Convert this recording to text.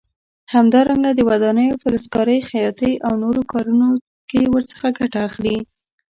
همدارنګه د ودانیو، فلزکارۍ، خیاطۍ او نورو کارونو کې ورڅخه ګټه اخلي.